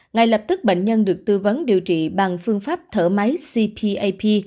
ngay lập tức bệnh nhân được tư vấn điều trị bằng phương pháp thở máy cpap